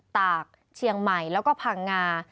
ตากเชียงใหม่แล้วก็พังงา